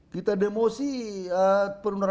kita demosi perunduran pemerintahan